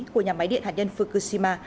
của nhà máy điện hạt nhân fukushima